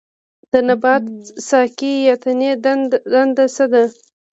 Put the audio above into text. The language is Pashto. د نبات ساقې یا تنې دنده څه ده